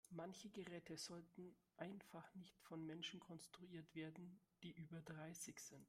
Manche Geräte sollten einfach nicht von Menschen konstruiert werden, die über dreißig sind.